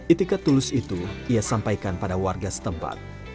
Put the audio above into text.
itikat tulus itu ia sampaikan pada warga setempat